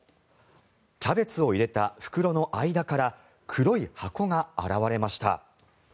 キャベツを入れた袋の間から黒い箱が現れました。